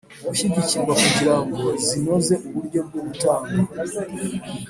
gushyigikirwa kugirango zinoze uburyo bwo gutanga